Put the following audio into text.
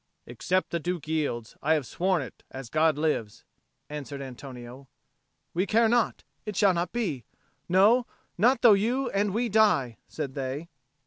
"Except the Duke yields, I have sworn it, as God lives," answered Antonio. "We care not. It shall not be, no, not though you and we die," said they.